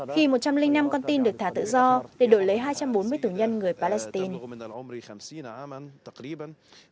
khi một trăm linh năm con tin được thả tự do để đổi lấy hai trăm bốn mươi tù nhân người palestine